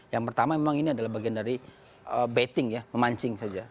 yang pertama memang ini adalah bagian dari betting ya memancing saja